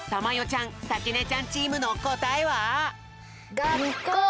ちゃんさきねちゃんチームのこたえは！？